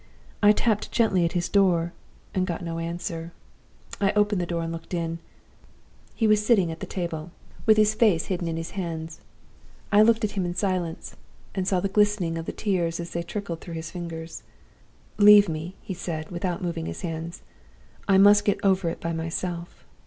I tapped gently at his door, and got no answer. I opened the door and looked in. He was sitting at the table, with his face hidden in his hands. I looked at him in silence, and saw the glistening of the tears as they trickled through his fingers. "'Leave me,' he said, without moving his hands. 'I must get over it by myself.